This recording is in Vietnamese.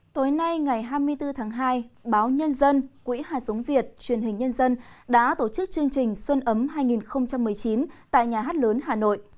tối nay ngày hai mươi bốn tháng hai báo nhân dân quỹ hạt sống việt truyền hình nhân dân đã tổ chức chương trình xuân ấm hai nghìn một mươi chín tại nhà hát lớn hà nội